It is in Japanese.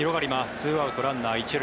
２アウト、ランナー１塁。